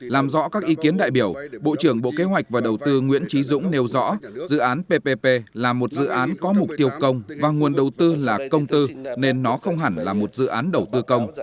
làm rõ các ý kiến đại biểu bộ trưởng bộ kế hoạch và đầu tư nguyễn trí dũng nêu rõ dự án ppp là một dự án có mục tiêu công và nguồn đầu tư là công tư nên nó không hẳn là một dự án đầu tư công